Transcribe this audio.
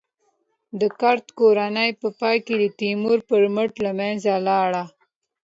د کرت کورنۍ په پای کې د تیمور په مټ له منځه لاړه.